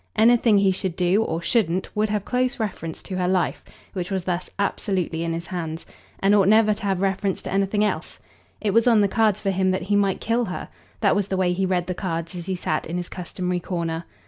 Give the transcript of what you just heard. Anything he should do or shouldn't would have close reference to her life, which was thus absolutely in his hands and ought never to have reference to anything else. It was on the cards for him that he might kill her that was the way he read the cards as he sat in his customary corner.